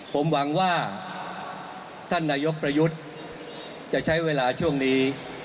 ผมหวังว่าท่านนายกประยุทธ์จะใช้เวลาช่วงนี้